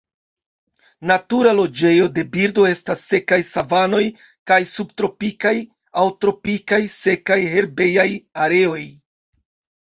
Natura loĝejo de birdo estas sekaj savanoj kaj subtropikaj aŭ tropikaj sekaj herbejaj areoj.